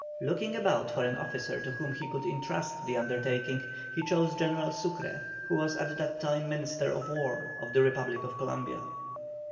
Looking about for an officer to whom he could entrust the undertaking, he chose General Sucre, who was at that time Minister of War of the Republic of Columbia.